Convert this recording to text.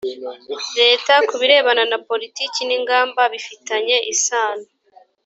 leta ku birebana na politiki n ingamba bifitanye isano